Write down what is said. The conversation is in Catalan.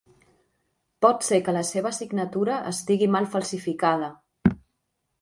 Pot ser que la seva signatura estigui mal falsificada.